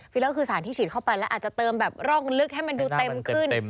เลิกคือสารที่ฉีดเข้าไปแล้วอาจจะเติมแบบร่องลึกให้มันดูเต็มขึ้น